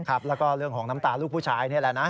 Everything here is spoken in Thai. แล้วก็เรื่องของน้ำตาลูกผู้ชายนี่แหละนะ